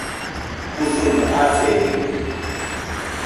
usuño aseride